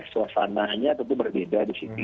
suasananya tentu berbeda di situ